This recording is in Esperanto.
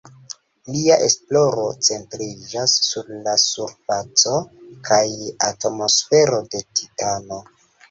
Lia esploro centriĝas sur la surfaco kaj atmosfero de Titano.